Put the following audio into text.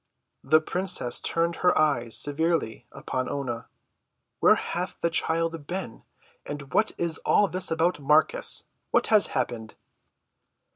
The princess turned her eyes severely upon Oonah. "Where hath the child been, and what is all this about Marcus? What has happened?"